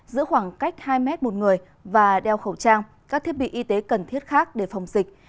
giữa khoảng cách hai m một người và đeo khẩu trang các thiết bị y tế cần thiết khác để phòng dịch